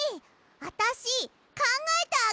あたしかんがえてあげる！